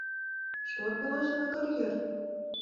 Што адбылося на кар'еры?